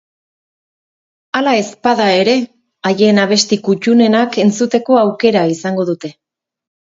Hala ez bada ere, haien abesti kuttunenak entzuteko aukera izango dute.